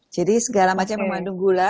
jadi segala macam yang mengandung gula